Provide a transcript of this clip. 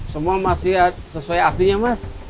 semua masih sesuai aslinya mas